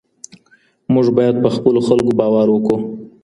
موږ باید په خپلو خلکو باور وکړو.